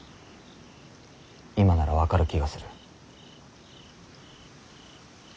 今なら分かる気がする。